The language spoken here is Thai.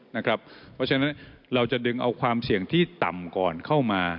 เพราะฉะนั้นเราจะดึงเอาความเสี่ยงที่ต่ำก่อนเข้ามา